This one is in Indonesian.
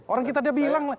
orang kita udah bilang